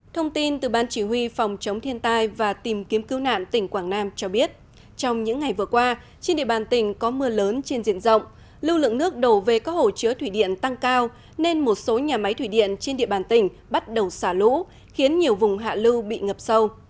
thông tin từ ban chỉ huy phòng chống thiên tai và tìm kiếm cứu nạn tỉnh quảng nam cho biết trong những ngày vừa qua trên địa bàn tỉnh có mưa lớn trên diện rộng lưu lượng nước đổ về các hồ chứa thủy điện tăng cao nên một số nhà máy thủy điện trên địa bàn tỉnh bắt đầu xả lũ khiến nhiều vùng hạ lưu bị ngập sâu